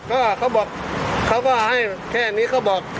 ก็เขาบอกเขาก็ให้แค่นี้เขาบอก